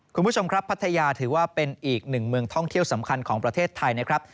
คุณผู้ชมครับพัทยาถือว่าเป็นอีกหนึ่งเมืองท่องเที่ยวสำคัญของประเทศไทยนะครับ